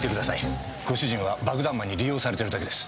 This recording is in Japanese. ご主人は爆弾魔に利用されてるだけです。